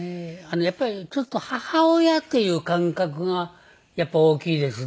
やっぱりちょっと母親っていう感覚が大きいですね。